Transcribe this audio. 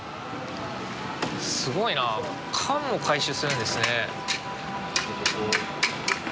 すごいな缶も回収するんですね。